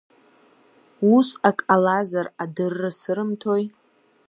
Ус ак ҟалазар, адырра сырымҭои.